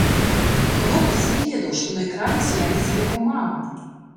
Хлопец не ведаў, што на экране з'явіцца яго мама.